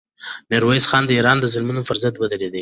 میرویس خان د ایران د ظلمونو پر ضد ودرېدی.